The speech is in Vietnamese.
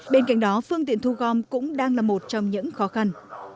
bên cạnh đó phương tiện thu gom cũng đang là một trong những khó khăn